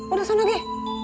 udah suan lagi